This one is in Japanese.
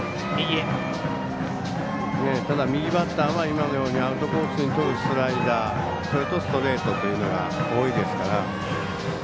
右バッターはアウトコースにとるスライダー、それとストレートが多いですから。